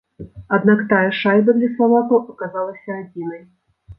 Аднак тая шайба для славакаў аказалася адзінай.